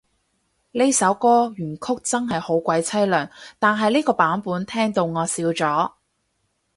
呢首歌原曲真係好鬼淒涼，但係呢個版本聽到我笑咗